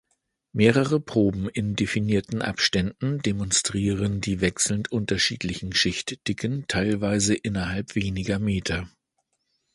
Mehrere Proben in definierten Abständen demonstrieren die wechselnd unterschiedlichen Schichtdicken teilweise innerhalb weniger Meter.